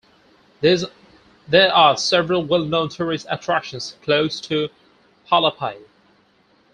There are several well-known tourist attractions close to Palapye.